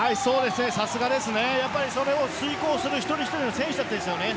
さすがですね。それを遂行する一人一人の選手たちですよね。